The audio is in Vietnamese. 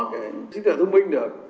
để sức khỏe thông minh được